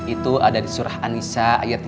itu ada di surah an nisa ayat tiga puluh enam